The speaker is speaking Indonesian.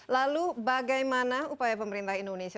lalu bagaimana upaya pemerintah indonesia